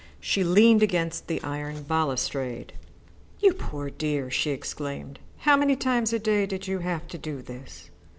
She leaned against the iron balustrade. "You poor dear!" she exclaimed. "How many times a day did you have to do this?"